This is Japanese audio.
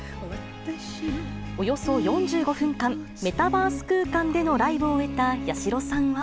およそ４５分間、メタバース空間でのライブを終えた八代さんは。